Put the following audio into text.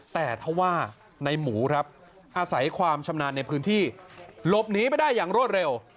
แต่ถ้าว่าในหมูครับอาศัยความชำนาญในพื้นที่หลบหนีไปได้อย่างรวดเร็ว